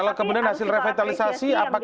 kalau kemudian hasil revitalisasi apakah